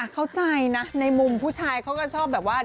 เข้าใจนะในมุมผู้ชายเขาก็ชอบแบบว่า